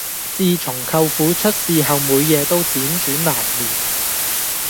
自從舅父出事後每夜都輾轉難眠